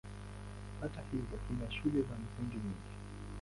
Kata hiyo ina shule za msingi nyingi.